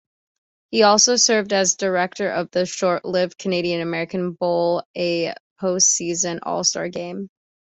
He also served as director of the short-lived Canadian-American Bowl, a postseason all-star game.